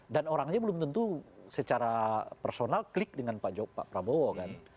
dan orangnya belum tentu secara personal klik dengan pak prabowo kan